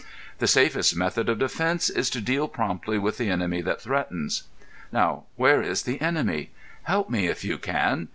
The safest method of defence is to deal promptly with the enemy that threatens. Now, where is the enemy? Help me if you can.